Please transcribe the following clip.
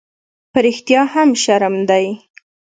_په رښتيا هم، شرم دی؟